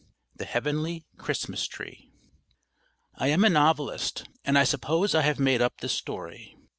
THE HEAVENLY CHRISTMAS TREE I am a novelist, and I suppose I have made up this story.